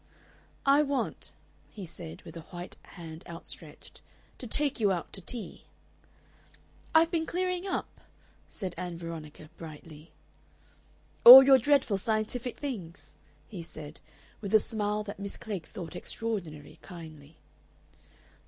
"I want," he said, with a white hand outstretched, "to take you out to tea." "I've been clearing up," said Ann Veronica, brightly. "All your dreadful scientific things?" he said, with a smile that Miss Klegg thought extraordinarily kindly.